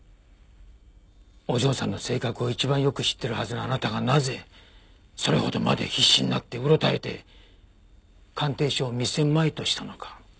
お嬢さんの性格を一番よく知っているはずのあなたがなぜそれほどまで必死になってうろたえて鑑定書を見せまいとしたのか。